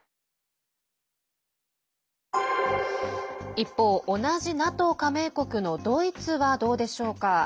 一方、同じＮＡＴＯ加盟国のドイツはどうでしょうか。